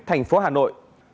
thành phố hà nội